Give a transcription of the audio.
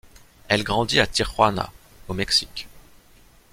Elle grandit à Tijuana, au Mexique.